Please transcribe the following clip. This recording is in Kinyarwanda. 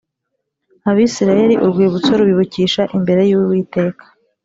abisirayeli urwibutso rubibukisha imbere y uwiteka